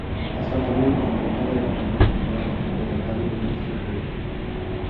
È stato membro fondatore della compagnia di teatro sperimentale "The Wooster Group.